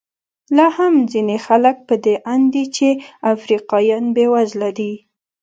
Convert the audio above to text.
لا هم ځینې خلک په دې اند دي چې افریقایان بېوزله دي.